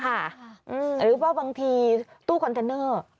หรือว่าบางทีตู้คอนเทนเนอร์